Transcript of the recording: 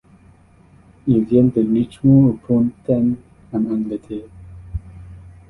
Il vient de Richmond upon Thèmes en Angleterre.